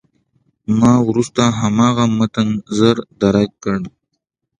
ما وروسته هماغه متن ژر درک کړ.